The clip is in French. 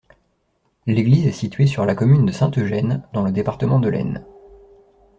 L'église est située sur la commune de Saint-Eugène, dans le département de l'Aisne.